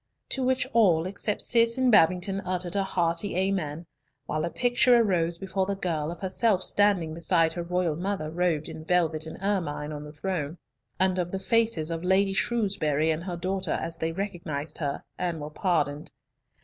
To which all except Cis and Babington uttered a hearty amen, while a picture arose before the girl of herself standing beside her royal mother robed in velvet and ermine on the throne, and of the faces of Lady Shrewsbury and her daughter as they recognised her, and were pardoned.